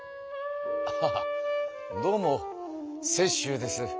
ああどうも雪舟です。